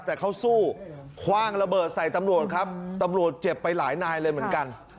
แต่เขาสู้คว่างระเบิดใส่ตำรวจครับตำรวจเจ็บไปหลายนายเลยเหมือนกัน